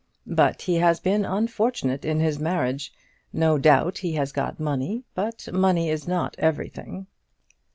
But he has been unfortunate in his marriage. No doubt he has got money, but money is not everything."